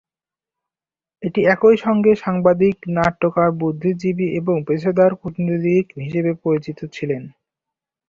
তিনি একই সঙ্গে সাংবাদিক, নাট্যকার, বুদ্ধিজীবী এবং পেশাদার কূটনীতিক হিসাবে পরিচিত ছিলেন।